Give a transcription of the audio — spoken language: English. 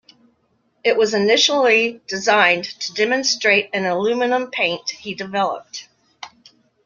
It was initially designed to demonstrate an aluminum paint he developed.